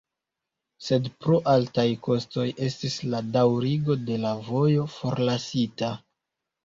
Sed pro altaj kostoj estis la daŭrigo de la vojo forlasita.